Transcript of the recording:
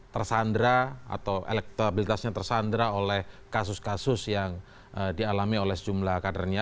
tersandra atau elektabilitasnya tersandra oleh kasus kasus yang dialami oleh sejumlah kadernya